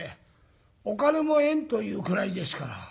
お金も「円」というくらいですから。